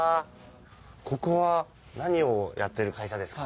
ここは何をやってる会社ですか？